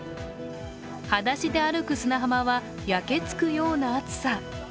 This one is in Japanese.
裸足で歩く砂浜は、焼けつくような熱さ。